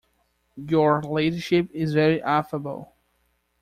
Your ladyship is very affable.